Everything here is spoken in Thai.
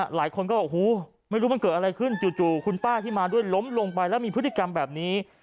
หลายคนก็บอกโอ้โหไม่รู้มันเกิดอะไรขึ้นจู่คุณป้าที่มาด้วยล้มลงไปแล้วมีพฤติกรรมแบบนี้